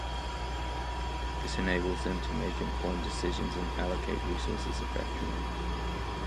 This enables them to make informed decisions and allocate resources effectively.